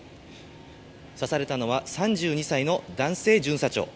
刺されたのは３２歳の男性巡査長。